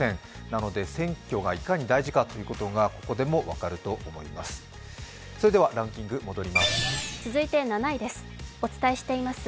なので、選挙がいかに大事かということがここでも分かると思います。